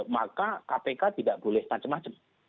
maka kpk tidak boleh macam macam